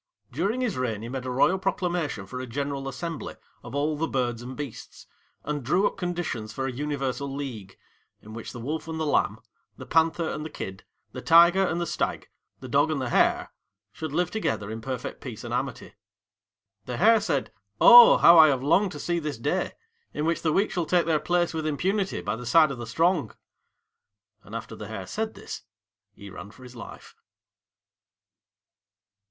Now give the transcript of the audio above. During his reign he made a royal proclamation for a general assembly of all the birds and beasts, and drew up conditions for a universal league, in which the Wolf and the Lamb, the Panther and the Kid, the Tiger and the Stag, the Dog and the Hare, should live together in perfect peace and amity. The Hare said, "Oh, how I have longed to see this day, in which the weak shall take their place with impunity by the side of the strong." And after the Hare said this, he ran for his life.